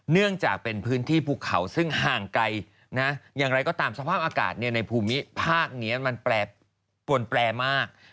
เนื่องจากเป็นพื้นที่ภูเขาซึ่งห่างไกลอย่างไรก็ตามสภาพอากาศในภูมิภาคนี้มันแปรปวนแปลมาก